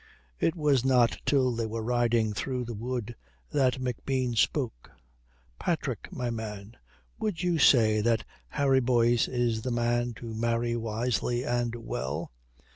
It was not till they were riding through the wood that McBean spoke: "Patrick, my man, would you say that Harry Boyce is the man to marry wisely and well?"